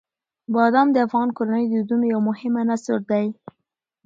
بادام د افغان کورنیو د دودونو یو مهم عنصر دی.